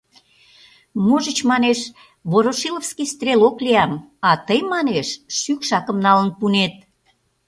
Можыч, манеш, ворошиловский стрелок лиям, а тый, манеш, шӱкшакым налын пуынет...